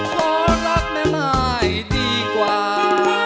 ขอรักแม่มายดีกว่า